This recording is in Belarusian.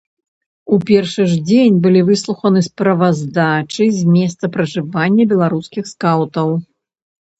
У першы ж дзень былі выслуханы справаздачы з месцаў пражывання беларускіх скаўтаў.